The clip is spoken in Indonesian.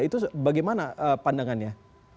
itu bagaimana pandangannya